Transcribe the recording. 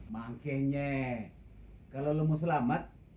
makanya kalau lu mau selamat